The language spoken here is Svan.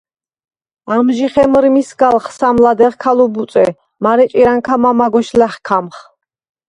ამჟი ხემჷრმისგალხ სამ ლადეღ ქა ლუბუწე, მარე ჭირჷნქა მამაგვეშ ლა̈ხქამხ.